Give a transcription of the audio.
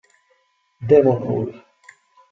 Devon Hall